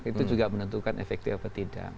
itu juga menentukan efektif apa tidak